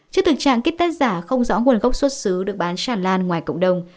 trước thực trạng kit test giả không rõ nguồn gốc xuất xứ được bán sản lan ngoài cộng đồng